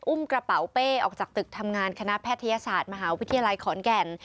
กระเป๋าเป้ออกจากตึกทำงานคณะแพทยศาสตร์มหาวิทยาลัยขอนแก่น